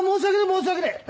申し訳ねえ。